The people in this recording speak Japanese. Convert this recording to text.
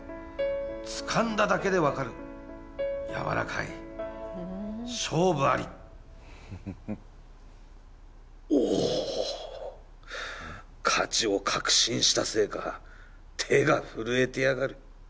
つかんだだけで分かるやわらかい勝負ありおお勝ちを確信したせいか手が震えてやがる